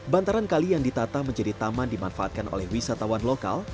bantaran kali yang ditata menjadi taman dimanfaatkan oleh wisatawan lokal